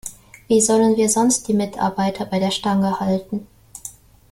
Wie sollen wir sonst die Mitarbeiter bei der Stange halten?